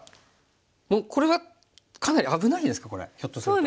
もうこれはかなり危ないですかこれひょっとすると。